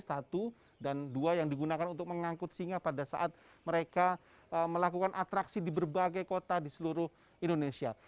satu dan dua yang digunakan untuk mengangkut singa pada saat mereka melakukan atraksi di berbagai kota di seluruh indonesia